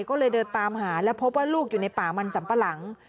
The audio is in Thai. ก็เลยเดินตามหาแล้วพบว่าลูกอยู่ในป่ามันสัมปะหลัง